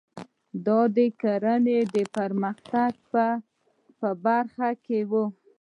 دا د کرنې د پراختیا په برخه کې وو.